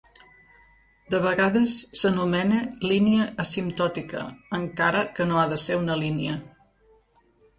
De vegades s'anomena línia asimptòtica, encara que no ha de ser una línia.